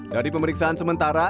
dari pemeriksaan sementara